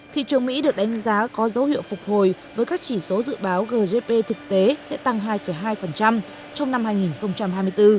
thị trường mỹ được đánh giá có dấu hiệu phục hồi với các chỉ số dự báo gdp thực tế sẽ tăng hai hai trong năm hai nghìn hai mươi bốn